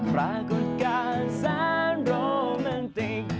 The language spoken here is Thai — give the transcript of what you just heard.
ปรากฏการณ์สารโรแมนติก